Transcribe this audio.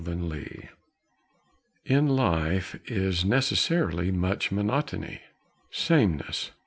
_ LIFE In life is necessarily much monotony, sameness.